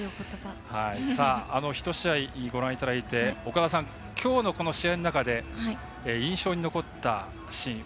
ひと試合ご覧いただいてきょうの試合の中で印象に残ったシーン。